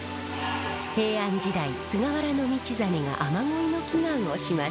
平安時代菅原道真が雨乞いの祈願をしました。